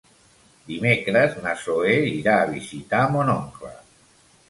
Dimecres na Zoè irà a visitar mon oncle.